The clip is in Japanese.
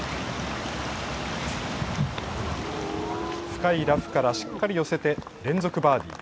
深いラフからしっかり寄せて連続バーディー。